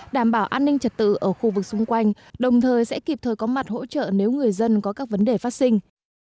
đảm bảo an ninh trật tự ở khu vực xung quanh đồng thời sẽ kịp thời có mặt hỗ trợ nếu người dân có các vấn đề phát sinh